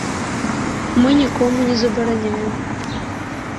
Мы нікому не забараняем.